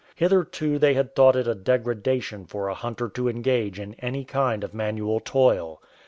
Hitherto they had thought it a degradation for a hunter to engage in any kind of manual toil.